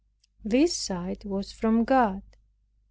This sight was from God.